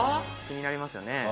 気になりますよね。